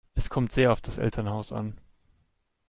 Es kommt sehr auf das Elternhaus an.